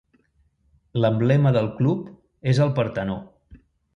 L'emblema del club és el Partenó.